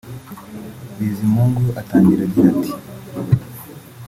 Bizimungu atangira agira ati